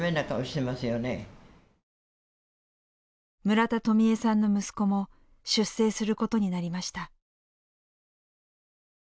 村田とみゑさんの息子も出征することになりました。